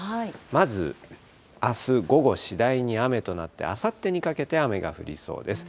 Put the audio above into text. まずあす午後、次第に雨となって、あさってにかけて雨が降りそうです。